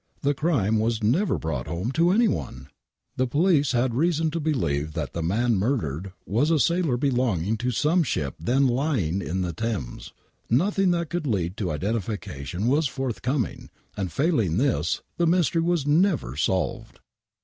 The crime was never brought home to anyone ! The police had reason to believe that the man murdered was a sailor belonging to some ship then lying in the Thames. Xothing that could lead to identification was forthcoming, and, failing this, the mystery was never solved.